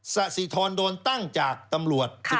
สะสิทรโดนตั้งจากตำรวจ